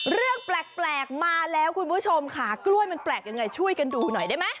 เรื่องแปลกมาแล้วคุณผู้ชมค่ะกล้วยมันแปลกยังไงช่วยกันดูหน่อยได้ไหม